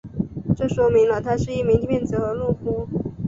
这说明了他是一名骗子和懦夫。